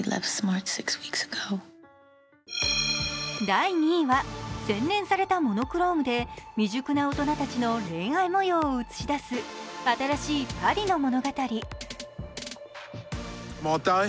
第２位は洗練されたモノクロームで未熟な大人たちの恋愛もようを映し出す新しいパリの物語。